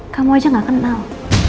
kamu aja gak kenal